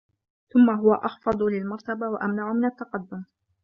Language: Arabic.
ثُمَّ هُوَ أَخْفَضُ لِلْمَرْتَبَةِ وَأَمْنَعُ مِنْ التَّقَدُّمِ